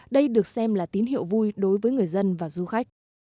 đây được xem là tín hiệu vui đối với người dân và du khách